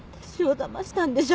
だましたんでしょ？